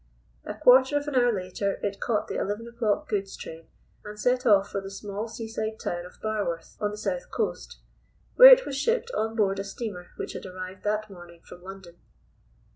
A quarter of an hour later it caught the eleven o'clock goods train and set off for the small seaside town of Barworth, on the south coast, where it was shipped on board a steamer which had arrived that morning from London.